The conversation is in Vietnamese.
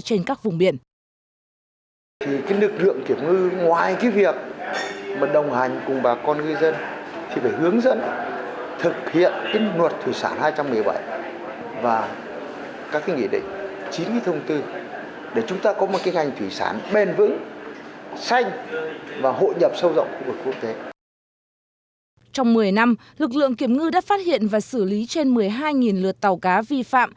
trong một mươi năm lực lượng kiểm ngư đã phát hiện và xử lý trên một mươi hai lượt tàu cá vi phạm